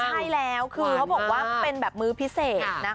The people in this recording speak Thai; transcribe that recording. ใช่แล้วคือเขาบอกว่าเป็นแบบมื้อพิเศษนะ